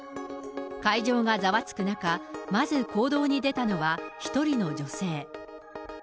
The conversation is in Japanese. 会場がざわつく中、まず行動に出たのは、一人の女性。